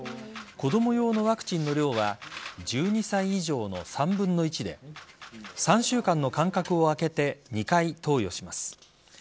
子供用のワクチンの量は１２歳以上の３分の１で３週間の間隔を空けて２回投与します。